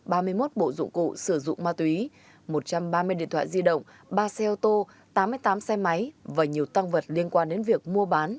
ba mươi một bộ dụng cụ sử dụng ma túy một trăm ba mươi điện thoại di động ba xe ô tô tám mươi tám xe máy và nhiều tăng vật liên quan đến việc mua bán